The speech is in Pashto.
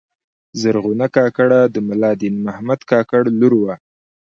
زرغونه کاکړه د ملا دین محمد کاکړ لور وه.